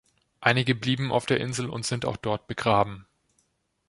Einige blieben auf der Insel und sind auch dort begraben.